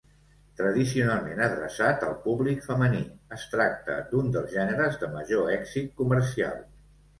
Tradicionalment adreçat al públic femení, es tracta d'un dels gèneres de major èxit comercial.